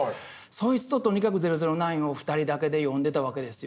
そいつととにかく「００９」を二人だけで読んでたわけですよね。